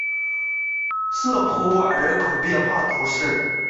瑟普瓦人口变化图示